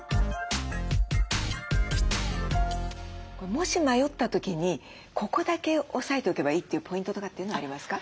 もし迷った時にここだけ押さえとけばいいというポイントとかっていうのはありますか？